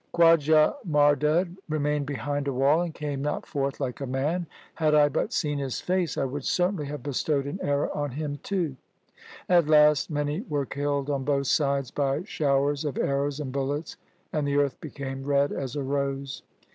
Khwaja Mardud remained behind a wall and came not forth like a man. Had I but seen his face, I would certainly have bestowed an arrow on him too. At last many were killed on both sides by showers of arrows and bullets, and the earth became red as a rose.